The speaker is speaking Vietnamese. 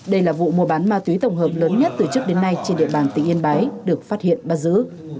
đây là vụ mua bán ma túy tổng hợp lớn nhất từ trước đến nay trên địa bàn tỉnh yên bái được phát hiện bắt giữ